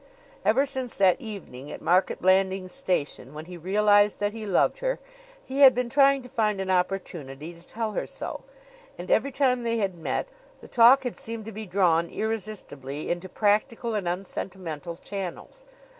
Ever since that evening at Market Blandings Station, when he realized that he loved her, he had been trying to find an opportunity to tell her so; and every time they had met, the talk had seemed to be drawn irresistibly into practical and unsentimental channels.